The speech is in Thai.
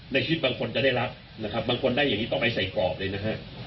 ในชีวิตบางคนจะได้รับนะครับบางคนได้อย่างนี้ต้องไปใส่กรอบเลยนะฮะ